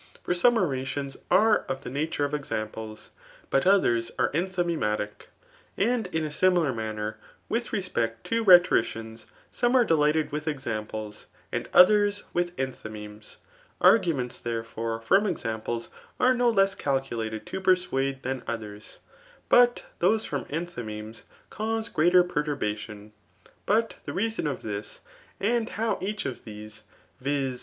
For mmm <mu tiom are of the nature of examples^ but others are csAf^ mematic. And in a siinflar maimer with reelect to fhe* toriciaiiay some are delighted vkh examples, attid othem widi enthymemes. Arguments, therefore, from examples are no l^s cakuiated to persuade (^thaa others,] but those from enthymemes cause greater perturbation. But the rascm of tfaii^ and htniir eich of those [viz.